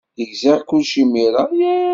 Gziɣ kullec imir-a.